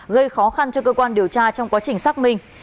gây khó khăn cho cơ quan điều tra trong quá trình xác minh